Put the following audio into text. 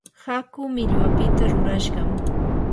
hakuu millwapita rurashqam.